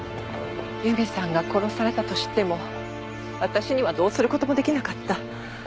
由美さんが殺されたと知っても私にはどうする事も出来なかった。